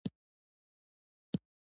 نجلۍ له ګلو خوږه ده.